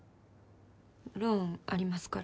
ローンありますから。